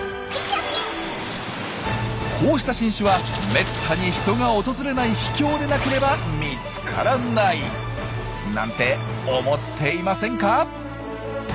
こうした新種はめったに人が訪れない秘境でなければ見つからないなんて思っていませんか？